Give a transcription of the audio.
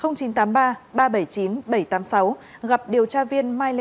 gặp điều tra viên công an tỉnh khánh hòa